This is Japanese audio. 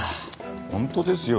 本当ですよねえ。